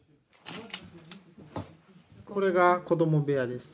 これが子供部屋です。